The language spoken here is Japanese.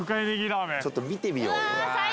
ちょっと見てみようよ